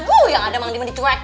wuh yang ada mang diman dicuekin